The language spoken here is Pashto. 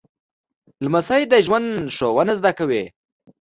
لمسی د ژوند ښوونه زده کوي.